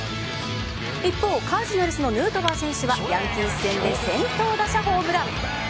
一方カージナルスのヌートバー選手はヤンキース戦で先頭打者ホームラン。